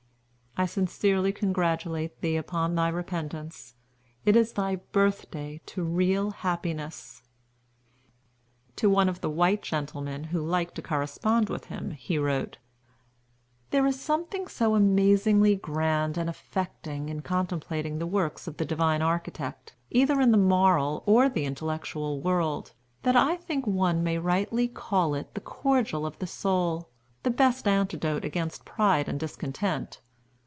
"I sincerely congratulate thee upon thy repentance. It is thy birthday to real happiness." To one of the white gentlemen who liked to correspond with him, he wrote: "There is something so amazingly grand and affecting in contemplating the works of the Divine Architect, either in the moral or the intellectual world, that I think one may rightly call it the cordial of the soul, the best antidote against pride and discontent.